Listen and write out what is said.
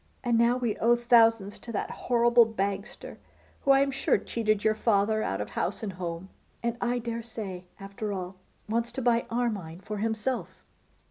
And now we owe thousands to that horrible Bagster, who I am sure cheated your father out of house and home, and I dare say, after all, wants to buy Armine for himself.